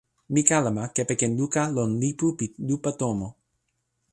mi kalama kepeken luka lon lipu pi lupa tomo.